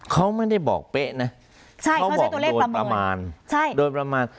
เขาไม่ได้บอกเป๊ะนะเขาบอกโดยประมาณ